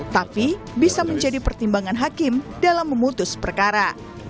tapi bisa menjadi pertimbangan hakim dalam memutus perkara